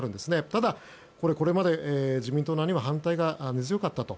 ただ、これはこれまで自民党内には反対が根強かったと。